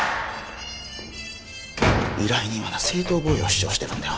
依頼人はな正当防衛を主張してるんだよ